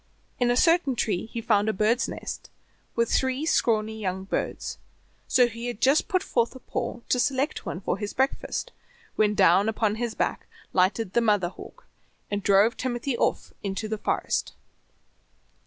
In a certain tree he found a bird's nest, with three scrawny young birds, so he had just put forth a paw to select one for his breakfast, when down upon his back lighted the mother hawk, and drove Timothy off into the forest.